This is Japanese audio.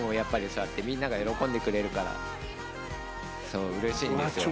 そうやってみんなが喜んでくれるからうれしいんですよ。